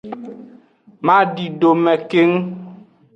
Madidome keng.